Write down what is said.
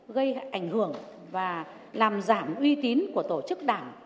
gây ảnh hưởng và làm giảm uy tín của tổ chức đảng